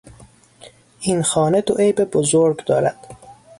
این خانه دو عیب بزرگ دارد.